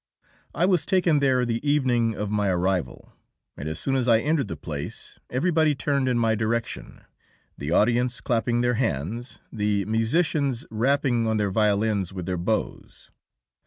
I was taken there the evening of my arrival, and as soon as I entered the place everybody turned in my direction, the audience clapping their hands, the musicians rapping on their violins with their bows.